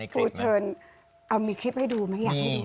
ฟูเทิร์นเอามีคลิปให้ดูมั้ยอย่างนี้